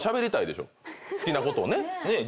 好きなことをね。